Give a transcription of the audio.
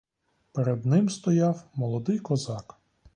Перед ним стояв молодий козак.